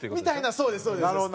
そうですそうです。